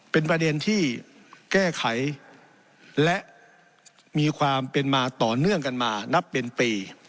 เป็นประเด็นที่แก้ไขและมีความเป็นมาต่อเนื่องกันมานับเป็นปี